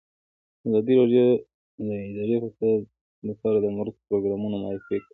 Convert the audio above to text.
ازادي راډیو د اداري فساد لپاره د مرستو پروګرامونه معرفي کړي.